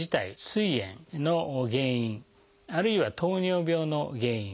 すい炎の原因あるいは糖尿病の原因